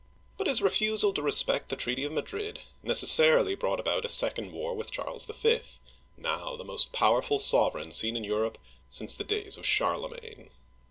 But his refusal to respect the treaty of Madrid necessarily brought about a second war with Charles V., now the most powerful sovereign seen in Europe since the days of Charlemagne.